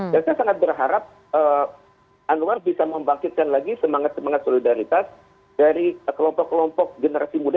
dan saya sangat berharap anwar bisa membangkitkan lagi semangat semangat solidaritas dari kelompok kelompok generasi muda